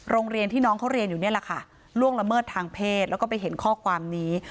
โรงเรียนที่น้องเขาเรียนอยู่นี่แหละค่ะล่วงละเมิดทางเพศแล้วก็ไปเห็นข้อความนี้